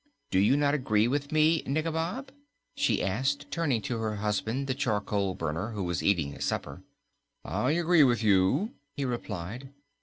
Do you not agree with me, Nikobob?" she added, turning to her husband, the charcoal burner, who was eating his supper. "I agree with you," he replied.